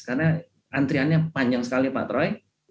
karena antriannya panjang sekali pak troy